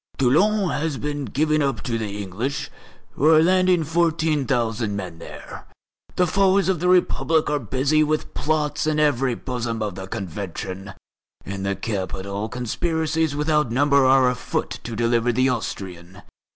Toulon has been given up to the English, who are landing fourteen thousand men there. The foes of the Republic are busy with plots in the very bosom of the Convention. In the capital conspiracies without number are afoot to deliver the Austrian.